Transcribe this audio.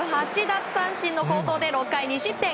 ８奪三振の好投で６回２失点。